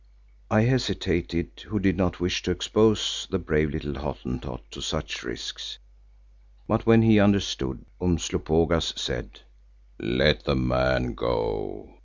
I hesitated who did not wish to expose the brave little Hottentot to such risks. But when he understood, Umslopogaas said, "Let the man go.